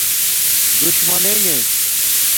دُشمنݣے